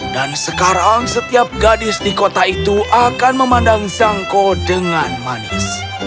dan sekarang setiap gadis di kota itu akan memandang zengko dengan manis